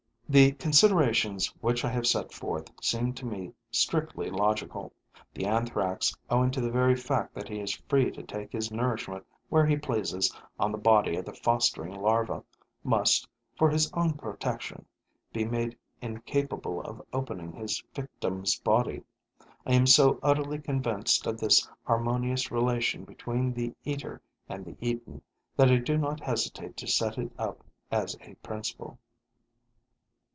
The considerations which I have set forth seem to me strictly logical: the Anthrax, owing to the very fact that he is free to take his nourishment where he pleases on the body of the fostering larva, must, for his own protection, be made incapable of opening his victim's body. I am so utterly convinced of this harmonious relation between the eater and the eaten that I do not hesitate to set it up as a principle.